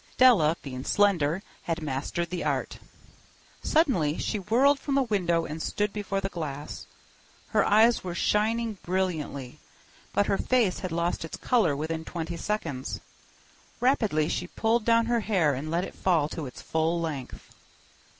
Della, being slender, had mastered the art. Suddenly she whirled from the window and stood before the glass. Her eyes were shining brilliantly, but her face had lost its color within twenty seconds. Rapidly she pulled down her hair and let it fall to its full length.